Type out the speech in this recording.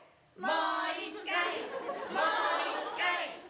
もう１回！